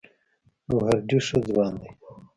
ګوهر ډې ښۀ ځوان دی